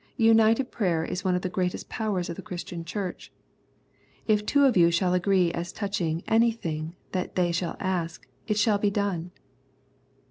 United prayer is one of the greatest powers in the Christian Church. " If two of you shall agree as touching any thing that they shall ask, it shall be done."